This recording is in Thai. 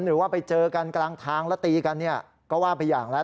หรือว่าไปเจอกันกลางทางแล้วตีกันเนี่ยก็ว่าไปอย่างแล้ว